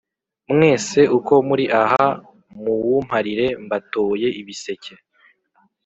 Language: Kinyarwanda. mwese uko muri aha muwumparire: mbatoye ibiseke!”